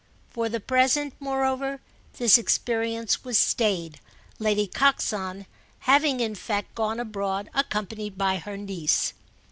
For the present, moreover, this experience was stayed, Lady Coxon having in fact gone abroad accompanied by her niece.